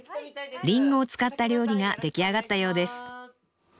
林檎を使った料理が出来上がったようです